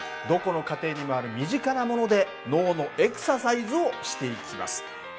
どこの家庭にもある身近なもので脳のエクササイズをしていきます。